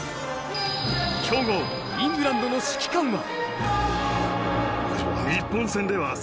強豪イングランドの指揮官は？